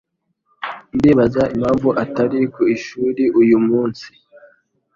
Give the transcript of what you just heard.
Ndibaza impamvu atari ku ishuri uyu munsi.